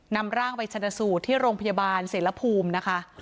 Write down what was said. นำร่างไปชนะสูตรที่โรงพยาบาลเสรภูมินะคะ